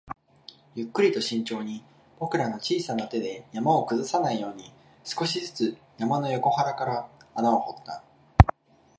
ゆっくりと慎重に、僕らの小さな手で山を崩さないように、少しずつ山の横腹から穴を掘った